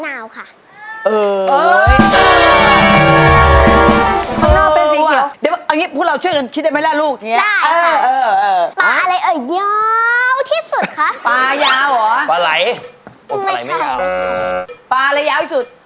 ได้ค่ะปลาอะไรเอ่อยาวที่สุดคะปลายาวเหรอไม่ใช่ปลาอะไรยาวที่สุด